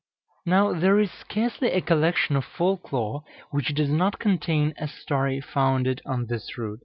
Now, there is scarcely a collection of folk lore which does not contain a story founded on this root.